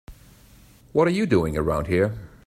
What are you doing around here?